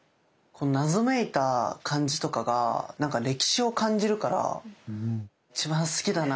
謎めいた感じとかがなんか歴史を感じるから一番好きだな。